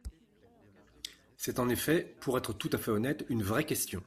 C’est en effet, pour être tout à fait honnête, une vraie question.